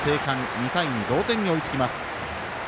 ２対２、同点に追いつきます。